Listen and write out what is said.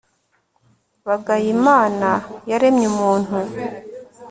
bagaya imana yaremye umuntu